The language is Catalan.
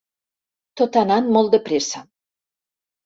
Tot ha anat molt de pressa.